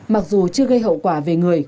mặc dù chưa gây hậu quả về người